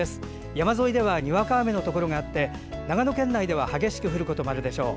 山沿いではにわか雨のところがあって長野県内では激しく降ることもあるでしょう。